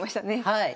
はい。